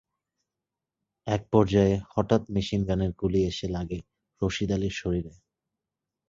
একপর্যায়ে হঠাৎ মেশিনগানের গুলি এসে লাগে রশিদ আলীর শরীরে।